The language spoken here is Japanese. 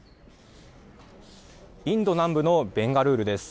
インド南部のベンガルールです。